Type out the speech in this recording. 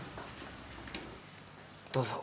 どうぞ。